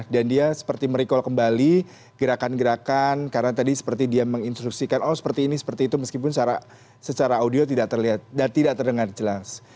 dia seperti merecall kembali gerakan gerakan karena tadi seperti dia menginstruksikan oh seperti ini seperti itu meskipun secara audio tidak terlihat dan tidak terdengar jelas